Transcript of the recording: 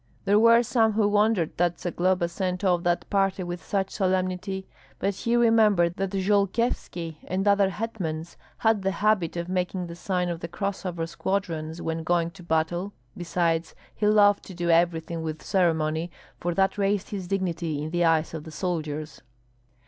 There were some who wondered that Zagloba sent off that party with such solemnity, but he remembered that Jolkyevski and other hetmans had the habit of making the sign of the cross over squadrons when going to battle; besides, he loved to do everything with ceremony, for that raised his dignity in the eyes of the soldiers.